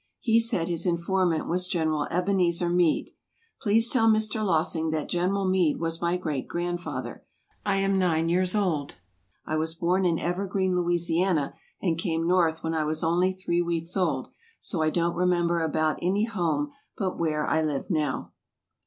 He said his informant was General Ebenezer Mead. Please tell Mr. Lossing that General Mead was my great grandfather. I am nine years old. I was born in Evergreen, Louisiana, and came North when I was only three weeks old, so I don't remember about any home but where I live now.